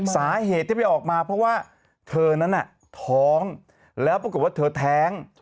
สาเหตุที่ไปออกมาเพราะว่าเธอนั้นน่ะท้องแล้วปรากฏว่าเธอแท้ง